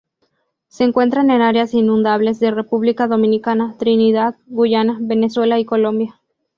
Se encuentra en áreas inundables de República Dominicana, Trinidad, Guyana, Venezuela y Colombia.